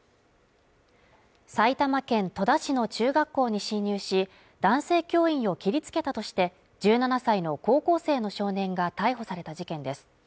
埼玉県戸田市の中学校に侵入し、男性教員を切りつけたとして１７歳の高校生の少年が逮捕された事件です。